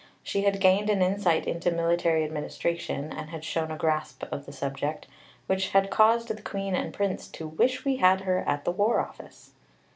She had gained an insight into military administration, and had shown a grasp of the subject, which had caused the Queen and Prince to "wish we had her at the War Office."